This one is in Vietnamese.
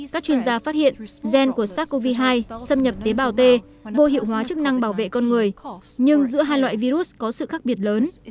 các chuyên gia phát hiện gen của sars cov hai xâm nhập tế bào t vô hiệu hóa chức năng bảo vệ con người nhưng giữa hai loại virus có sự khác biệt lớn